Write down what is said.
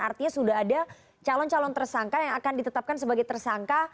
artinya sudah ada calon calon tersangka yang akan ditetapkan sebagai tersangka